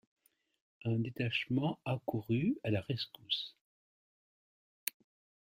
Un détachement accourut à la rescousse.